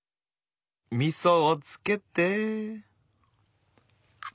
みそをつけて。